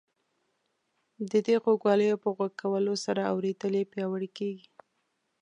د دې غوږوالیو په غوږ کولو سره اورېدل یې پیاوړي کیږي.